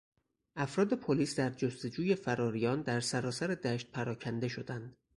افراد پلیس در جستجوی فراریان در سرتاسر دشت پراکنده شدند.